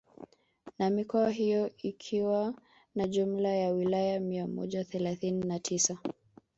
Na mikoa hiyo ikiwa na jumla ya wilaya mia moja thelathini na tisa